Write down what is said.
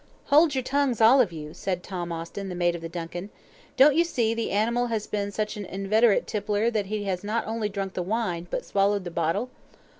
"Hold your tongues, all of you!" said Tom Austin, the mate of the DUNCAN. "Don't you see the animal has been such an inveterate tippler that he has not only drunk the wine, but swallowed the bottle?"